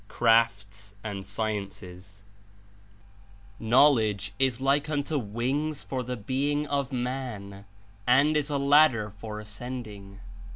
CRAFTS AXD SCIEyCES "Knowledge is like unto wings for the being (of man), and is as a ladder for ascending.